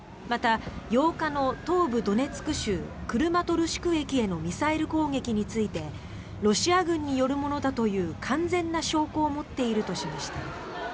また８日の東部ドネツク州・クラマトルシク駅へのミサイル攻撃についてロシア軍によるものだという完全な証拠を持っているとしました。